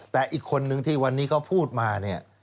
แต่อีกคนนึงที่วันนี้เขาพูดมาเนี่ย